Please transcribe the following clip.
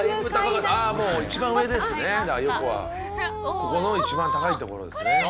ここの一番高い所ですね。